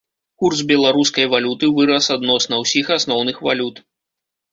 Курс беларускай валюты вырас адносна ўсіх асноўных валют.